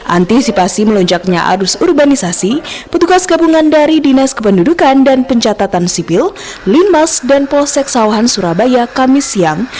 antisipasi melonjaknya arus urbanisasi petugas gabungan dari dinas kependudukan dan pencatatan sipil linmas dan polsek sawahan surabaya kamis siang